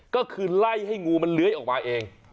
ก็คือไล่ให้งูมันเลื้อยออกมาเอง